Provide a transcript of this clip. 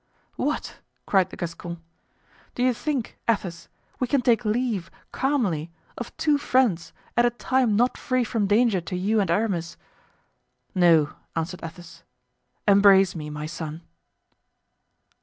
"What!" cried the Gascon, "do you think, Athos, we can take leave, calmly, of two friends at a time not free from danger to you and Aramis?" "No," answered Athos; "embrace me, my son."